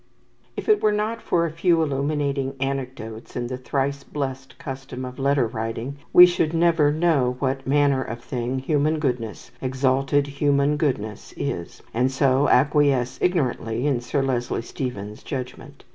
If it were not for a few illuminating anecdotes, and the thrice blessed custom of letter writing, we should never know what manner of thing human goodness, exalted human goodness, is; and so acquiesce ignorantly in Sir Leslie Stephen's judgment.